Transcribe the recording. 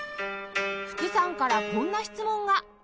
福さんからこんな質問が